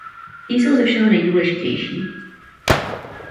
Ti jsou ze všeho nejdůležitější.